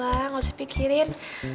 gak usah pikirin